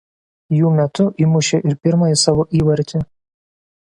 Jų metu įmušė ir pirmąjį savo įvartį.